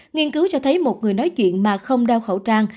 nghiên cứu cho thấy một người nói chuyện mà không đeo khẩu trang